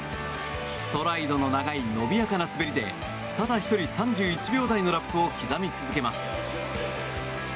ストライドの長い伸びやかな滑りでただ１人、３１秒台のラップを刻み続けます。